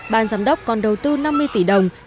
ban giám đốc còn đầu tư năm mươi tỷ đồng